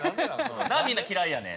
だからみんな嫌いやねん。